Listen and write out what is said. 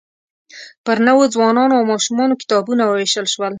پر نوو ځوانانو او ماشومانو کتابونه ووېشل شول.